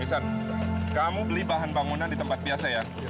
kamu beli bahan bangunan di tempat biasa ya